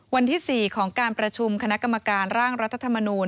วันที่๔ของการประชุมคณะกรรมการร่างรัฐธรรมนูล